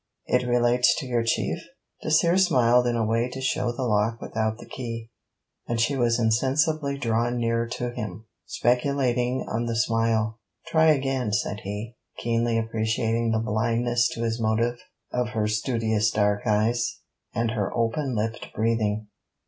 It relates to your Chief?' Dacier smiled in a way to show the lock without the key; and she was insensibly drawn nearer to him, speculating on the smile. 'Try again,' said he, keenly appreciating the blindness to his motive of her studious dark eyes, and her open lipped breathing.